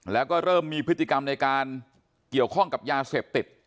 แล้วก็เริ่มมีพฤติกรรมในการเกี่ยวข้องกับยาเสพติด